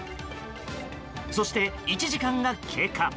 そして、１時間が経過。